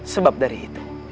sebab dari itu